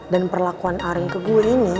dan perlakuan arian ke gue ini